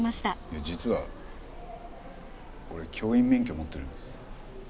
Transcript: いや実は俺教員免許持ってるんです。